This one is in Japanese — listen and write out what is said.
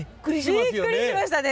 びっくりしましたね。